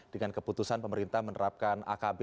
dengan keputusan pemerintah menerapkan akb